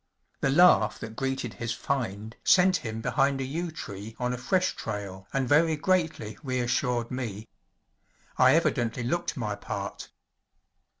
The laugh that greeted his “ find ‚ÄĚ sent him behind a yew tree on a fresh trail and very greatly reassured me.. I evidently looked my part.